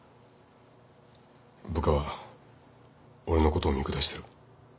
部下は俺のことを見下してる。